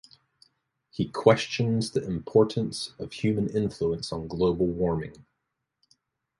He questions the importance of human influence on global warming.